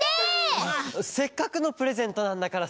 せっかくのプレゼントなんだからさ。